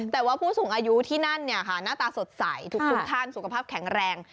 แต่ว่าผู้สูงอายุที่นั่นหน้าตาสดใสทุกท่านสุขภาพแข็งแรง